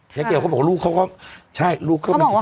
เจ๊เกียวเขาบอกว่าลูกเขาก็ใช่ลูกเขามีกิจกรรม